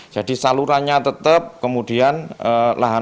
jadi saluran saluran air yang ada di kota surabaya ini tidak mungkin lagi dilebarkan